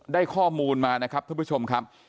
ได้ข้อมูลมานะครับท่านผู้ชมครับ